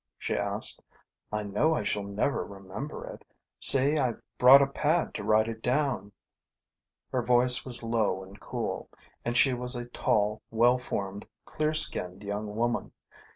she asked. "I know I shall never remember it. See, I've brought a pad to write it down." Her voice was low and cool, and she was a tall, well formed, clear skinned young woman.